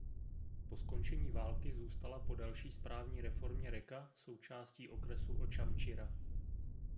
Po skončení války zůstala po další správní reformě Reka součástí okresu Očamčyra.